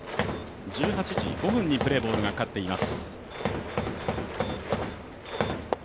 １８時５分にプレーボールがかかっています。